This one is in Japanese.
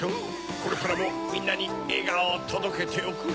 これからもみんなにえがおをとどけておくれ。